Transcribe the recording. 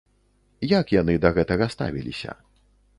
Як яны да гэтага ставіліся?